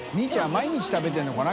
毎日食べてるのかな？